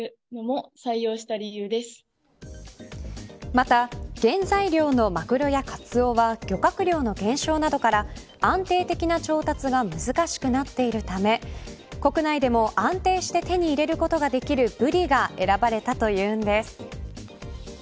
また原材料のマグロやカツオは漁獲量の減少などから安定的な調達が難しくなっているため国内でも安定して手に入れることができるブリが選ばれたというんです。